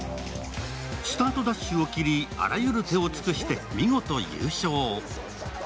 スタートダッシュを切りあらゆる手を尽くし、見事優勝。